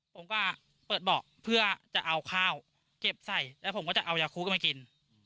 ผมก็เปิดเบาะเพื่อจะเอาข้าวเก็บใส่แล้วผมก็จะเอายาคุขึ้นมากิน